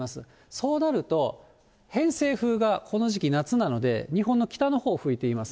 そうなると、偏西風がこの時期、夏なので、日本の北のほう吹いています。